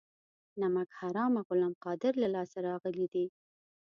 نمک حرامه غلام قادر له لاسه راغلي دي.